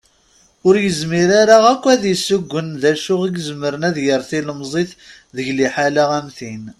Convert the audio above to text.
Ur yezmir ara akk ad yessugen d acu i izemren ad yerr tilemẓit deg liḥala am tin.